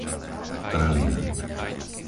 trhlina